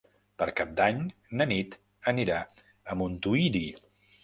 Per Cap d'Any na Nit anirà a Montuïri.